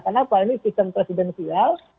karena kalau ini sistem presidensial